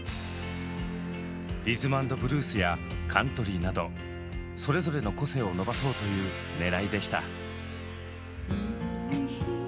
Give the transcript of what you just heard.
リズム＆ブルースやカントリーなどそれぞれの個性を伸ばそうというねらいでした。